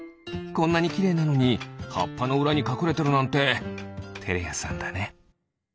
こんなにきれいなのにはっぱのうらにかくれてるなんててれやさんだね。